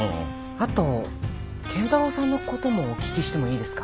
あと賢太郎さんの事もお聞きしてもいいですか？